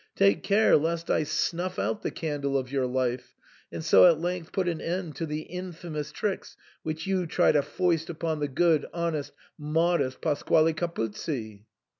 Take care lest I snuff out the candle of your life, and so at length put an end to the infamous tricks which you try to foist upon the good, honest, modest Pasquale Capuzzi."